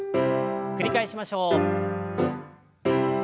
繰り返しましょう。